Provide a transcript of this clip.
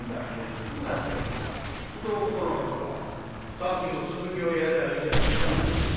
さっきの続きをやりゃいいじゃないかね」。